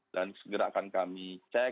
dan segera akan kami cek